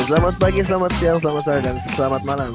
selamat pagi selamat siang selamat sore dan selamat malam